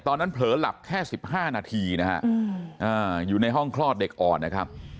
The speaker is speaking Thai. เผลอหลับแค่๑๕นาทีนะฮะอยู่ในห้องคลอดเด็กอ่อนนะครับ